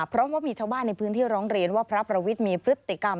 เพราะว่ามีชาวบ้านในพื้นที่ร้องเรียนว่าพระประวิทย์มีพฤติกรรม